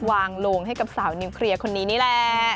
โลงให้กับสาวนิวเคลียร์คนนี้นี่แหละ